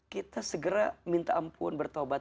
kita segera minta ampun bertobat